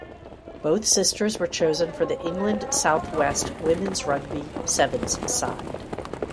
Both sisters were chosen for the England South West Women’s rugby sevens side.